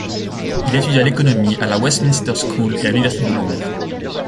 Il étudia l'économie à la Westminster School et à l'université de Londres.